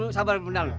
lu sabar komandan